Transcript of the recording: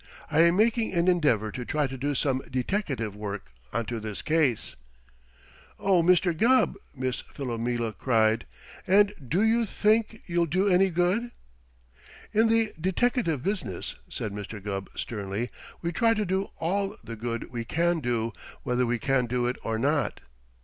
I am making an endeavor to try to do some deteckative work onto this case." "Oh, Mr. Gubb!" Miss Philomela cried. "And do you think you'll do any good?" "In the deteckative business," said Mr. Gubb sternly, "we try to do all the good we can do, whether we can do it or not."